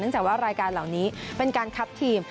จากว่ารายการเหล่านี้เป็นการคัดทีม